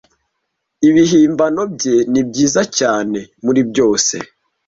Ibihimbano bye nibyiza cyane muribyose.